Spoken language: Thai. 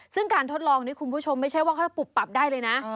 ซึ่งการทดลองนี่คุณผู้ชมไม่ใช่ว่าเขาจะปุบปรับได้เลยนะ